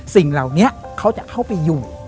สิ่งเหล่านี้เขาจะเข้าไปอยู่